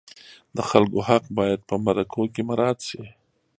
د خلکو حق باید په مرکو کې مراعت شي.